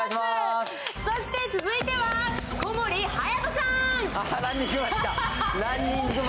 そして続いては小森隼さーん。